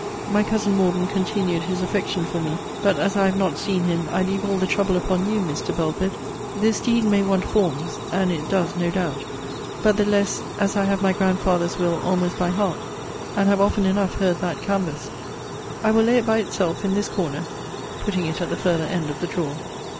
My cousin Morden continued his affection for me: but as I have not seen him, I leave all the trouble upon you, Mr. Belford. This deed may want forms; and it does, no doubt: but the less, as I have my grandfather's will almost by heart, and have often enough heard that canvassed. I will lay it by itself in this corner; putting it at the further end of the drawer.